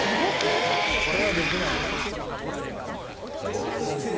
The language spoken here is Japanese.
これはできない。